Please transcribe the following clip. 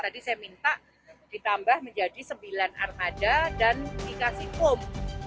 tadi saya minta ditambah menjadi sembilan armada dan dikasih foam